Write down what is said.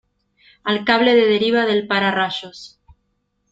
al cable de deriva del para -- rayos